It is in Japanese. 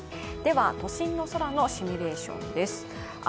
都心の空のシミュレーションです。